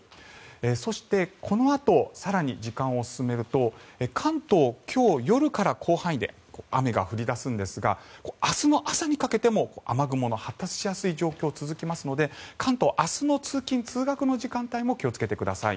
そして、このあと更に時間を進めると関東、今日夜から広範囲で雨が降り出すんですが明日の朝にかけても雨雲の発達しやすい状況が続きますので関東明日の通勤・通学の時間帯も気をつけてください。